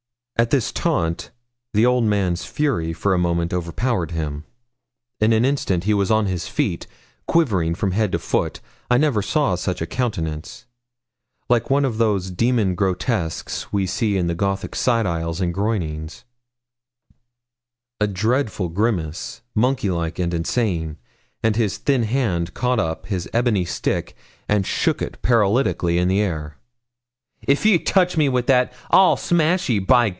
At this taunt the old man's fury for a moment overpowered him. In an instant he was on his feet, quivering from head to foot. I never saw such a countenance like one of those demon grotesques we see in the Gothic side aisles and groinings a dreadful grimace, monkey like and insane and his thin hand caught up his ebony stick, and shook it paralytically in the air. 'If ye touch me wi' that, I'll smash ye, by